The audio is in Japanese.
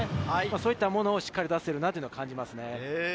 そういったものをしっかり出している感じがします。